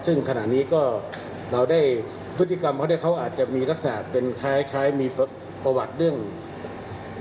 ซึ่งขณะนี้ก็เราได้อการปฏิกรรมเค้าอาจจะมีลักษณะเป็นคล้ายมีประวัติเรื่องภาคจิตด้วย